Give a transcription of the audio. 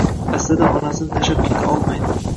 Aslida, onasini tashlab keta olmaydi